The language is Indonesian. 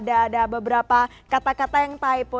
ada beberapa kata kata yang typo